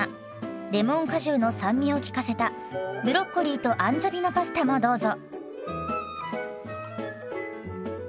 レモン果汁の酸味を効かせたブロッコリーとアンチョビのパスタもどうぞ。